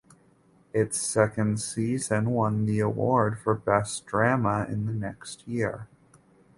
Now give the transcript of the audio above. Its second season won the award for best drama in the next year.